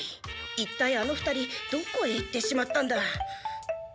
いったいあの２人どこへ行ってしまったんだ？